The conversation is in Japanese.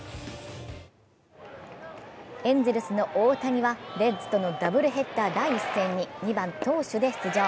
エンゼルスの大谷はメッツとのダブルヘッダー第１戦に２番・投手で出場。